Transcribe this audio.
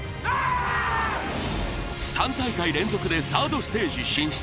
３大会連続でサードステージ進出。